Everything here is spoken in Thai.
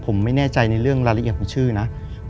ผมไม่แน่ใจในเรื่องรายละเอียดของชื่อนะ